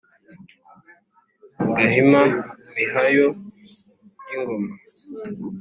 gahima, mihayo y’ingoma